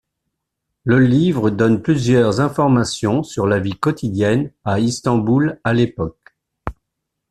Le livre donne plusieurs informations sur la vie quotidienne à Istanbul à l'époque.